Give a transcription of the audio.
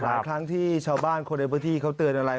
หลายครั้งที่ชาวบ้านคนในพื้นที่เขาเตือนอะไร